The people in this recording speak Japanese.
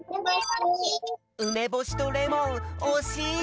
うめぼしとレモンおしい！